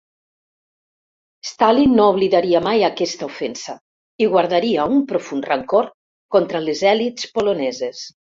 Stalin no oblidaria mai aquesta ofensa i guardaria un profund rancor contra les elits poloneses.